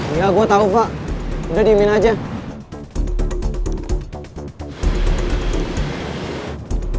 iya gue tau pak